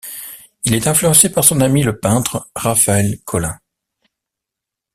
Il est influencé par son ami le peintre Raphaël Collin.